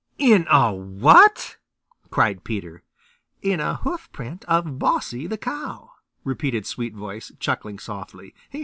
"In a WHAT?" cried Peter. "In a hoofprint of Bossy the Cow," repeated Sweetvoice, chuckling softly.